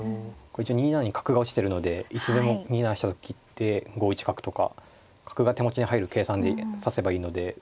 ２七に角が落ちてるのでいつでも２七飛車と切って５一角とか角が手持ちに入る計算で指せばいいので。